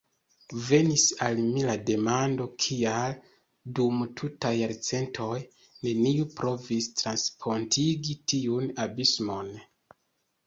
Venis al mi la demando, kial, dum tutaj jarcentoj, neniu provis transpontigi tiun abismon?